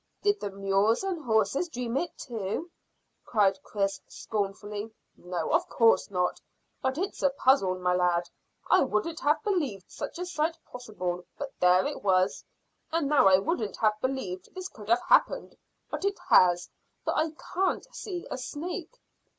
"Did the mules and horses dream it too?" cried Chris scornfully. "No, of course not. But it's a puzzle, my lad. I wouldn't have believed such a sight possible; but there it was. And now I wouldn't have believed this could have happened; but it has, for I can't see a snake."